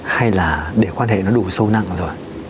hay là để quan hệ nó đủ sâu nặng rồi